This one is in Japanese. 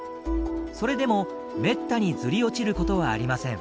それでもめったにずり落ちることはありません。